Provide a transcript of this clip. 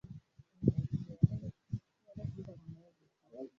sho wa yote wananchi hawawezi kupata